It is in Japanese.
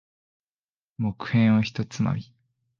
木片を一つまみ。